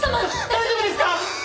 大丈夫ですか！